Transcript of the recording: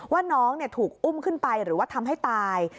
ว่าน้องถูกอุ้มขึ้นไปหรือว่าทำให้ตาย